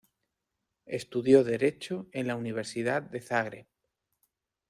Estudió derecho en la Universidad de Zagreb.